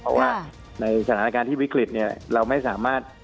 เพราะว่าในสถานการณ์ที่วิกฤตเนี่ยเราไม่สามารถ